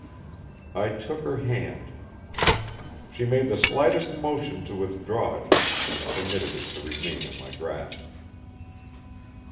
I took her hand. She made the slightest motion to withdraw it, and permitted it to remain in my grasp.